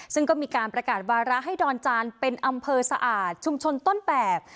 ซึ่งก็มีการประกาศวาระให้ดอนจานเป็นอำเภอสะอาดชุมชนต้นแบบ